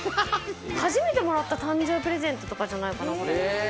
初めてもらった誕生日プレゼントとかじゃないかな、これ。